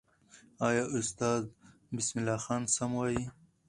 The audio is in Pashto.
آیا استاد بسم الله خان سم وایي؟